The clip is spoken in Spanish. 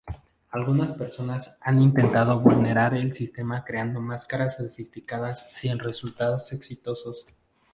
Algunas personas han intentado vulnerar el sistema creando máscaras sofisticadas sin resultados exitosos.